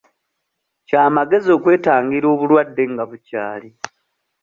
Kya magezi okwetangira obulwadde nga bukyali.